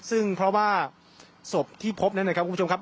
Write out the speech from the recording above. ซึ่งเพราะว่าศพที่พบนั้นนะครับคุณผู้ชมครับ